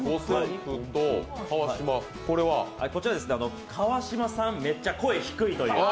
こちら川島さん、めっちゃ声低いという。